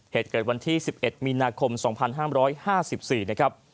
เหตุเกิดวันที่๑๑มีนาคม๒๕๕๔นะครับ